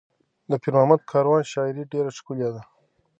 د پیر محمد کاروان شاعري ډېره ښکلې ده.